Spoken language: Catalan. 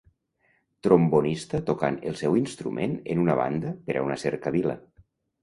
Trombonista tocant el seu instrument en una banda per a una cercavila.